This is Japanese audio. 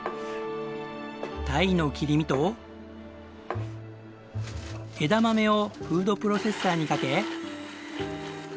鯛の切り身と枝豆をフードプロセッサーにかけ。